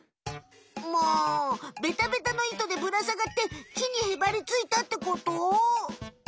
もうベタベタのいとでぶらさがって木にへばりついたってこと？